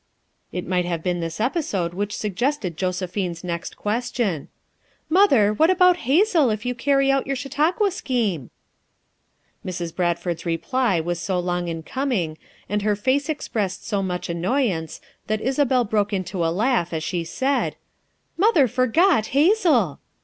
It might have been this episode which sug gested Josephine's next question. " Mother, what about Hazel if you carry out your Chau tauqua scheme?" FOUR MOTHERS AT CHAUTAUQUA 47 Mrs. Bradford's reply was so long in com ing, and her face expressed so much annoy ance that Isabel broke into a laugh as she said: "Mother forgot Hazel."